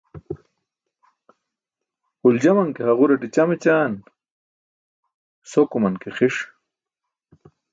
Huljaman ke haġuraṭe ćam ećaan, sokuman ke xi̇ṣ.